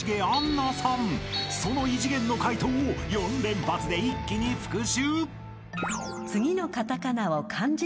［その異次元の解答を４連発で一気に復習］